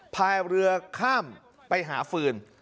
พายเรือข้ามไปหาฟืน